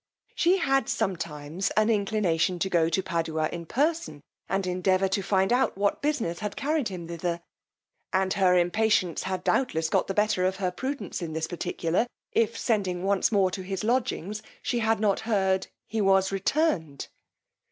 She had sometimes an inclination to go to Padua in person, and endeavour to find out what business had carried him thither; and her impatience had doubtless got the better of her prudence in this particular, if, sending once more to his lodgings, she had not heard he was returned.